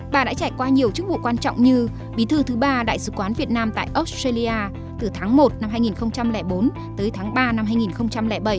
bà đã trải qua nhiều chức vụ quan trọng như bí thư thứ ba đại sứ quán việt nam tại australia từ tháng một năm hai nghìn bốn tới tháng ba năm hai nghìn bảy